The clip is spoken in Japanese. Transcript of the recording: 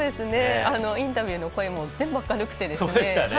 インタビューの声も全部明るくて。